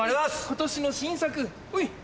今年の新作ほい。